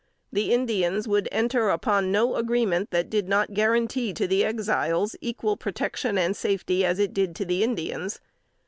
The Indians would enter upon no arrangement that did not guarantee to the Exiles equal protection and safety as it did to the Indians.